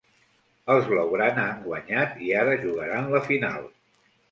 Els blau-grana han guanyat i ara jugaran la final.